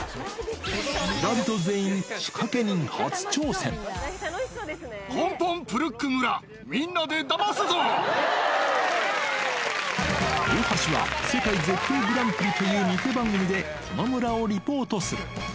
村人全員、コンポン・プルック村、大橋は、世界絶景グランプリという偽番組でこの村をリポートする。